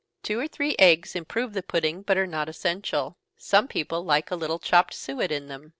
Two or three eggs improve the pudding, but are not essential some people like a little chopped suet in them.